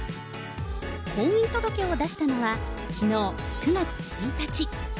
婚姻届を出したのはきのう９月１日。